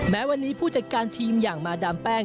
แม้วันนี้ผู้จัดการทีมอย่างมาดามแป้ง